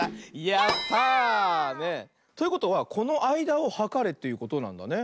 やった！ということはこのあいだをはかれということなんだね。